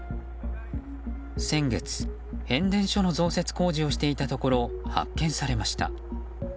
先月、変電所の増設工事をしていたところ発見されました。